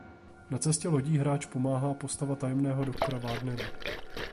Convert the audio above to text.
Na cestě lodí hráč pomáhá postava tajemného doktora Wagnera.